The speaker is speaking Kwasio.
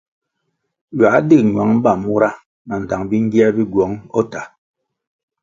Ywā dig ñwang ba mura nandtang bingier bi gywong o tah.